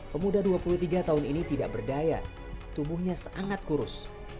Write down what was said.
pemuda dua puluh tiga tahun ini tidak berdaya tubuhnya sangat kurus